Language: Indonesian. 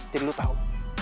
tim lo tau